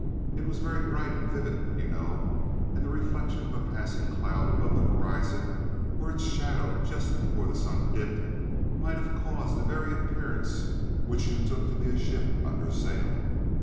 It was very bright and vivid, you know, and the reflection of a passing cloud above the horizon or its shadow just before the sun dipped might have caused that very appearance which you took to be a ship under sail.